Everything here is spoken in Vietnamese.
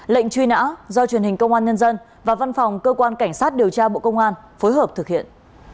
lệnh truy nã do truyền hình công an nhân dân và văn phòng cơ quan cảnh sát điều tra bộ công an phối hợp thực hiện